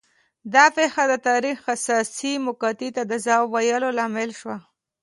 دا پېښه د تاریخ حساسې مقطعې ته د ځواب ویلو لامل شوه